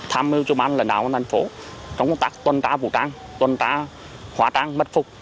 tham mưu cho ban lãnh đạo quân thành phố trong công tác tuần tra vũ trang tuần tra hóa trang mật phục